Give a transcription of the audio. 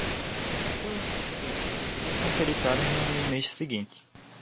Todas as faturas recebidas são creditadas no mês seguinte.